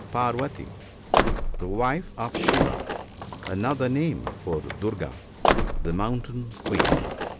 Parvati. — The wife of Shiva — another name for Durga, the " Mountain Queen."